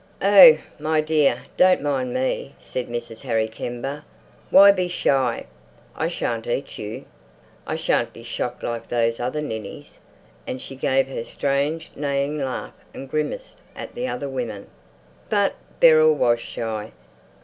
"Oh, my dear—don't mind me," said Mrs. Harry Kember. "Why be shy? I shan't eat you. I shan't be shocked like those other ninnies." And she gave her strange neighing laugh and grimaced at the other women. But Beryl was shy.